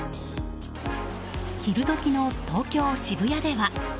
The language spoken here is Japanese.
昼時の東京・渋谷では。